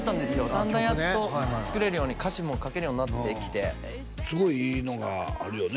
だんだんやっと作れるように歌詞も書けるようになってきてすごいいいのがあるよね